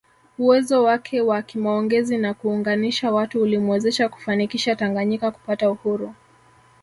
Uwezo wake wa kimaongezi na kuunganisha watu ulimwezesha kufanikisha Tanganyika kupata uhuru